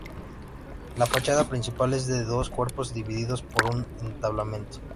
La fachada principal es de dos cuerpos divididos por un entablamento.